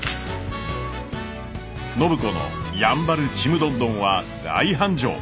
暢子のやんばるちむどんどんは大繁盛！